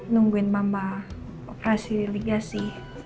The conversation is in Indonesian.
nungguin mama operasi ligasi